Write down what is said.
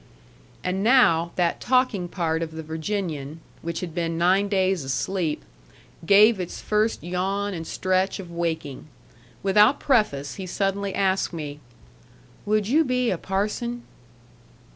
And now that talking part of the Virginian, which had been nine days asleep, gave its first yawn and stretch of waking. Without preface, he suddenly asked me, "Would you be a parson?"